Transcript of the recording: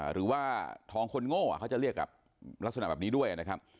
หรือว่าทองคนโง่เขาจะเรียกกับลักษณะแบบนี้ด้วยนะครับ